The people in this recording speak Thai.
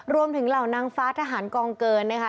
เหล่านางฟ้าทหารกองเกินนะคะ